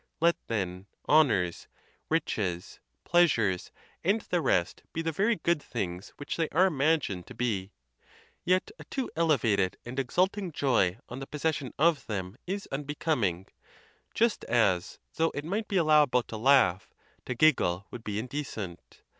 Let, then, honors, riches, pleasures, and the rest be the very good things which they are imagined to be; yet a too elevated and exulting joy on the posses 156 THE TUSCULAN DISPUTATIONS. sion of them is unbecoming; just as, though it might be allowable to laugh, to giggle would be indecent.